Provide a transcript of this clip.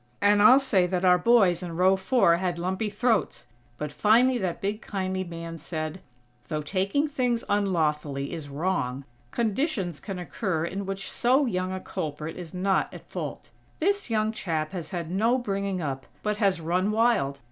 And I'll say that our boys, in row four, had lumpy throats. But finally that big kindly man said: "Though taking things unlawfully is wrong, conditions can occur in which so young a culprit is not at fault. This young chap has had no bringing up, but has run wild.